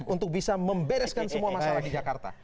untuk bisa membereskan semua masalah di jakarta